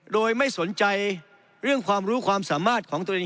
โดยไม่สนใจเรื่องความรู้ความสามารถของตัวเอง